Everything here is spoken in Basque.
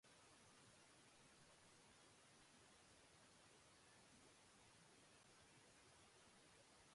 Zer den, sintomak zeintzu diren eta ondorioak argitzen lagunduko digu.